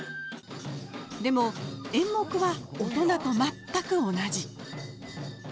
でも演目は、大人と全く同じ。